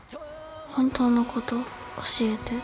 本当のこと教えて。